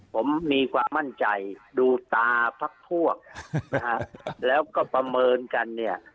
ผมมีความมั่นใจดูตาพักพวกนะฮะแล้วก็ประเมินกันเนี่ย